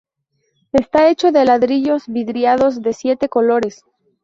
Está hecho de ladrillos vidriados de siete colores.